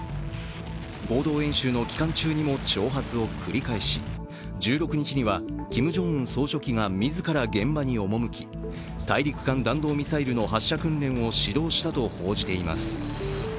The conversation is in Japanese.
合同演習の期間中にも挑発を繰り返し１６日にはキム・ジョンウン総書記が自ら現場に赴き、大陸間弾道ミサイルの発射訓練を指導したと報じています。